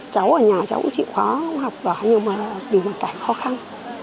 cháu ở nhà cũng chịu khó học giỏi nhưng mà bị bản cảnh khó khăn